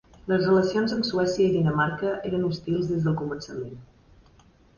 Les relacions amb Suècia i Dinamarca eren hostils des del començament.